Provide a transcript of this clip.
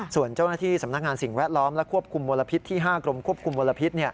ส่วนเจ้าหน้าที่สำนักงานสิ่งแวดล้อมและควบคุมมลพิษที่๕กรมควบคุมมลพิษ